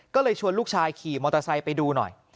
ก็เลยชวนลูกชายขี่มอเตอร์ไซค์ไปดูหน่อย